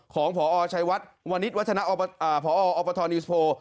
ของผชวววอปทนิวส์โพล